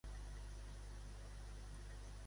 Com anomena la senyora Tuies a la ciutat francesa?